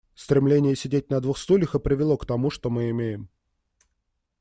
Стремление сидеть на двух стульях и привело к тому, что мы имеем.